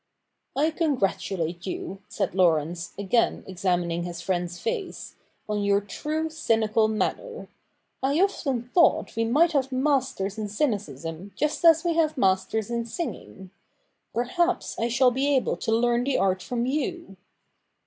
' I congratulate you,' said Laurence, again examining his friend's face, ' on your true cynical manner. I often thought we might have masters in cynicism just as we have masters in singing. Perhaps I shall be able to learn the art from you.'